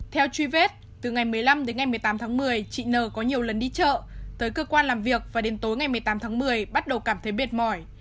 theo truy vết từ ngày một mươi năm đến ngày một mươi tám tháng một mươi chị n có nhiều lần đi chợ tới cơ quan làm việc và đến tối ngày một mươi tám tháng một mươi bắt đầu cảm thấy mệt mỏi